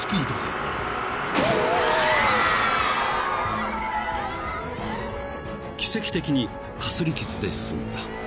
［奇跡的にかすり傷で済んだ］